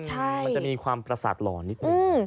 มันจะมีความประสาทหล่อนิดนึง